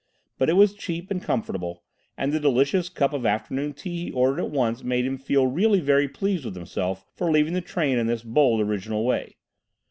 But it was cheap and comfortable, and the delicious cup of afternoon tea he ordered at once made him feel really very pleased with himself for leaving the train in this bold, original way.